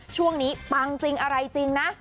ช่วงนี้ปังจริงอะไรจริงนะ